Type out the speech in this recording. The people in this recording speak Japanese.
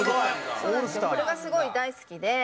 これがすごい大好きで。